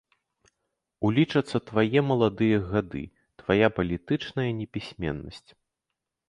Улічацца твае маладыя гады, твая палітычная непісьменнасць.